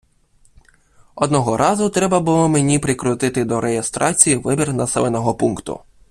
Одного разу треба було мені прикрутити до реєстрації вибір населеного пункту.